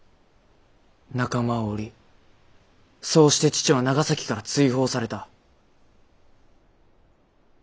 仲間を売りそうして父は長崎から追放された。